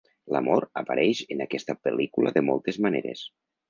L'amor apareix en aquesta pel·lícula de moltes maneres.